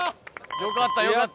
よかったよかった！